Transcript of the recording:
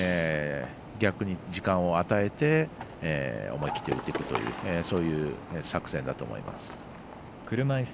逆に時間を与えて思い切って打つという作戦だと思います。